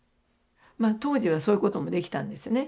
当時はそういうこともできたんですね。